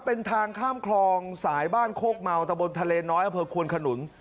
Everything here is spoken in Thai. เป็นทางข้ามคลองสายบ้านโคกเมาตะบนทะเลน้อยอำเภอควนขนุน